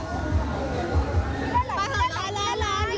แปลว่าอะไร